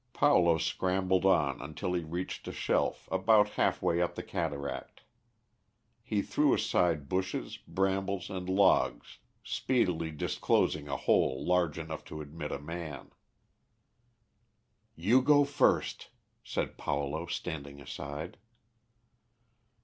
Paulo scrambled on until he reached a shelf about halfway up the cataract; he threw aside bushes, brambles, and logs, speedily disclosing a hole large enough to admit a man. "You go first," said Paulo, standing aside.